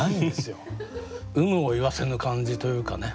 有無を言わせぬ感じというかね。